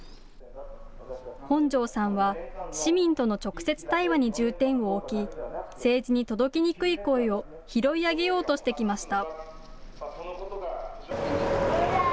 本庄さんは市民との直接対話に重点を置き、政治に届きにくい声を拾い上げようとしてきました。